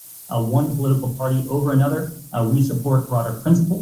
وہ مزاحمت کی قوت کھو دیں گے۔